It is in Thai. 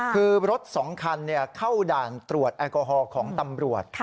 คือรถ๒คันเข้าด่านตรวจแอลกอฮอล์ของตำรวจ